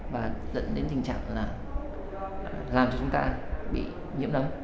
và dẫn đến tình trạng là làm cho chúng ta bị nhiễm nấm